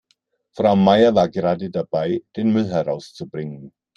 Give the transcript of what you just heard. Frau Meier war gerade dabei, den Müll herauszubringen.